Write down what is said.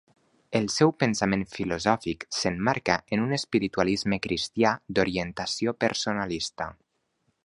El seu pensament filosòfic s'emmarca en un espiritualisme cristià d'orientació personalista.